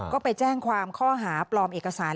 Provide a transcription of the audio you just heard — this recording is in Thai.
ก็ไปแจ้งความข้อหาปลอมเอกสาร